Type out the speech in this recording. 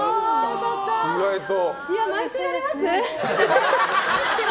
意外と。